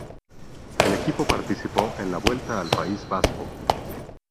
El equipo participó en la Vuelta al País Vasco.